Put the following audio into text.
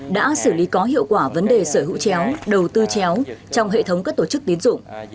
đã xử lý có hiệu quả vấn đề sở hữu chéo đầu tư chéo trong hệ thống các tổ chức tiến dụng